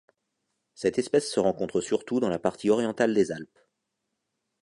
Cette espèce se rencontre surtout dans la partie orientale des Alpes.